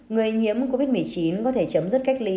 người nhiễm covid một mươi chín có thể chấm dứt cách ly